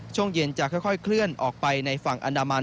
ช่วงเย็นจะค่อยเคลื่อนออกไปในฝั่งอันดามัน